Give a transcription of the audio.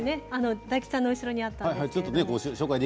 大吉さんの後ろにあったものです。